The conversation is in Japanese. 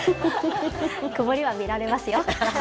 曇りは見られますよ。